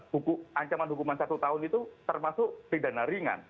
buku ancaman hukuman satu tahun itu termasuk pidana ringan